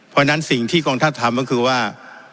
เพราะฉะนั้นสิ่งที่กองทัพทำก็คือว่า